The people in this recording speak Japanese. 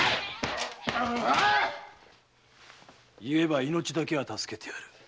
言えば命だけは助けてやる。